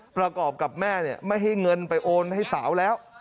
ประกอบกับแม่ไม่ให้เงินไปโอนให้สาวแล้ว